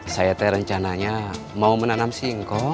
saya rencananya mau menanam singkong